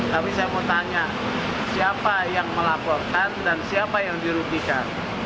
tapi saya mau tanya siapa yang melaporkan dan siapa yang dirugikan